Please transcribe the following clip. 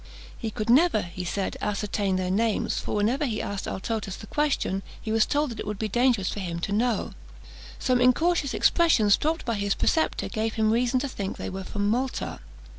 He could never, he said, ascertain their names, for whenever he asked Althotas the question, he was told that it would be dangerous for him to know. Some incautious expressions dropped by his preceptor gave him reason to think they were from Malta.